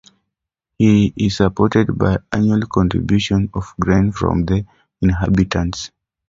He is supported by annual contributions of grain from the inhabitants.